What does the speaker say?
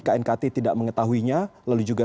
knkt tidak mengetahuinya lalu juga